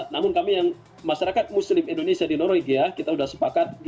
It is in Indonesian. namun kami yang masyarakat muslim indonesia di norwegia kita sudah sepakat